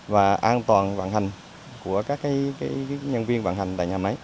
và an toàn vận hành của các nhân viên vận hành tại nhà máy